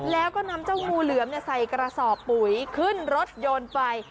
แล้วก็นำเจ้างูเหลือมใส่กระสอบปุ๋ยขึ้นรถยนต์ไป